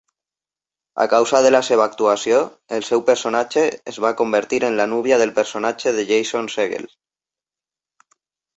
A causa de la seva actuació, el seu personatge es va convertir en la núvia del personatge de Jason Segel.